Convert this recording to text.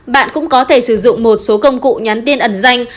bạn cũng có thể sử dụng một số công cụ nhắn tin ẩn danh